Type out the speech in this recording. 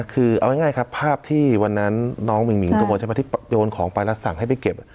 คือเอาง่ายครับภาพที่วันนั้นน้องมิ่งทุกคนใช่ไหมที่โยนของไปแล้วสั่งให้ไปเก็บ